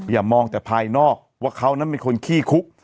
อย่ามองแต่ภายนอกว่าเขานั้นเป็นคนขี้คุก